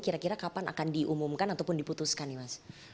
kira kira kapan akan diumumkan ataupun diputuskan nih mas